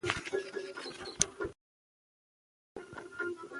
پر مهال کوشش وکړي